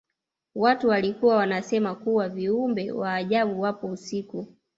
Watu walikuwa wanasema kuwa viumbe wa ajabu wapo usiku